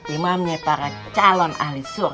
imamnya para calon ahli sur